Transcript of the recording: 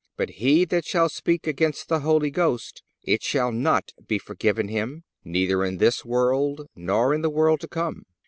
But he that shall speak against the Holy Ghost it shall not be forgiven him, neither in this world nor in the world to come."